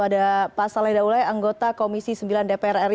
ada pak saleh daule anggota komisi sembilan dpr ri